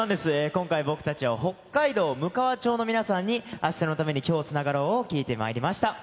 今回、僕たちは北海道むかわ町の皆さんに明日のために、今日つながろう。を聞いてまいりました。